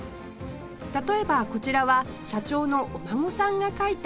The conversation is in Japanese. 例えばこちらは社長のお孫さんが描いた犬